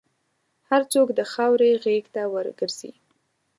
هر څوک د خاورې غېږ ته ورګرځي.